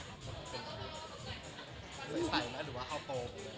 ใสนะหรือว่าเค้าโต